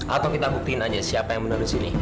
atau kita buktiin aja siapa yang bener di sini